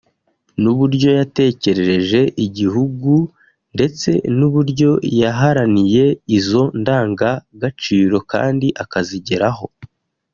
n’uburyo yatekerereje igihugu ndetse n’uburyo yaharaniye izo ndangagaciro kandi akazigeraho